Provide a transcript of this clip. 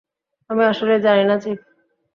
আমি আসলেই জানি না, চিফ।